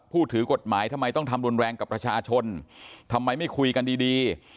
ถือกฎหมายทำไมต้องทำรุนแรงกับประชาชนทำไมไม่คุยกันดีดี